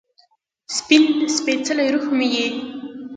سپین سپيڅلې روح مې یې